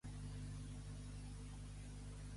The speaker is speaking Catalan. Esquilada dura un any sencer.